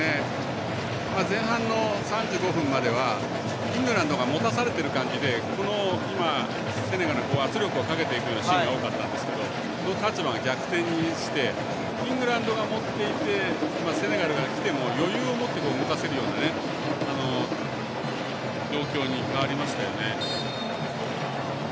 前半の３５分まではイングランドが持たされてる感じでセネガルの圧力をかけていくようなシーンが多かったんですけどその立場が逆転してイングランドが持っていてセネガルがきても余裕を持って、動かせるような状況に変わりましたよね。